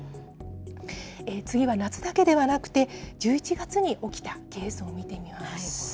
次は夏だけではなくて、１１月に起きたケースも見てみます。